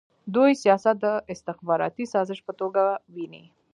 دوی سیاست د استخباراتي سازش په توګه ویني.